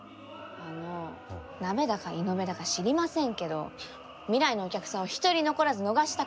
あのナベだかイノベだか知りませんけど未来のお客さんを一人残らず逃したくない。